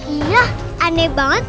iya aneh banget